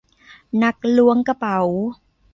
นักล้วงกระเป๋า